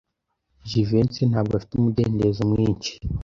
Jivency ntabwo afite umudendezo mwinshi.